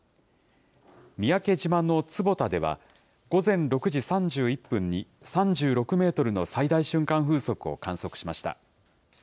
三宅島の坪田ではごぜん６じ３１分に３６メートルの最大瞬間風速を観測しました。